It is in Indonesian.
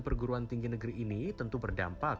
perguruan tinggi negeri ini tentu berdampak